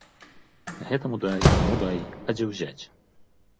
Гэтаму дай, таму дай, а дзе ўзяць?